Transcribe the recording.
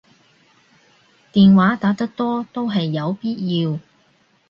電話打得多都係有必要